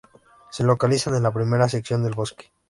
Se localizan en la primera sección del bosque.